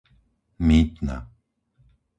Mýtna